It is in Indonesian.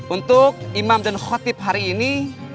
untuk imam dan khotib hari ini